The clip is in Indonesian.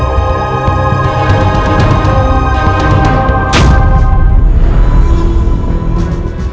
untuk menangkap mereka